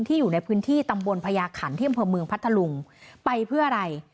อยู่ในพื้นที่ตำบลพญาขันที่อำเภอเมืองพัทธลุงไปเพื่ออะไร